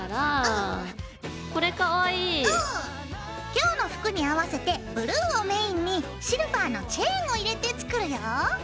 今日の服に合わせてブルーをメインにシルバーのチェーンを入れて作るよ。